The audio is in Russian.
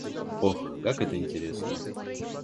Ох, как это интересно!